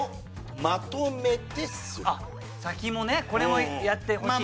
先もねこれもやってほしい。